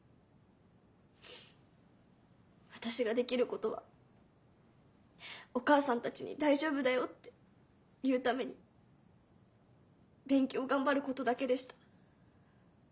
私ができることはお母さんたちに「大丈夫だよ」って言うために勉強を頑張ることだけでした。